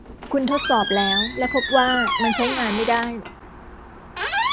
คุณทดสอบแล้วและพบว่ามันใช้งานไม่ได้ ?